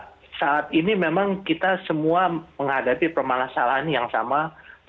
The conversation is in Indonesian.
ibu dina tadi bahwa saat ini memang kita semua menghadapi permasalahan yang sama terutama karena pandemi covid